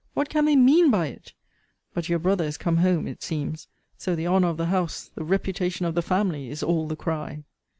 What can they mean by it! But your brother is come home, it seems: so, the honour of the house, the reputation of the family, is all the cry!